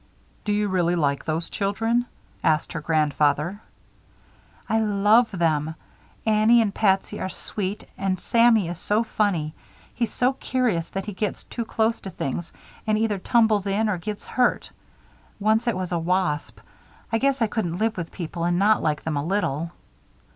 "Do you really like those children?" asked her grandfather. "I love them. Annie and Patsy are sweet and Sammy is so funny. He's so curious that he gets too close to things and either tumbles in or gets hurt. Once it was a wasp! I guess I couldn't live with people and not like them a little."